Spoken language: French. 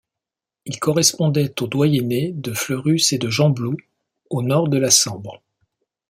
Il correspondait aux doyennés de Fleurus et de Gembloux, au nord de la Sambre.